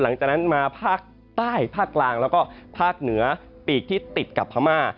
หลังจากนั้นมาภาคใต้ภาคกลางแล้วก็ภาคเหนือปีกที่ติดกับพม่า